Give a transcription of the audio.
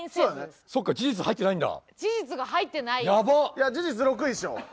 いや事実６位でしょ。